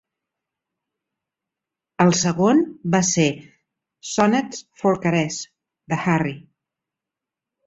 El segon va ser "Sonnets for Caresse" de Harry.